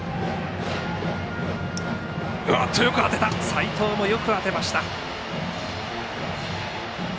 齋藤、よく当てました。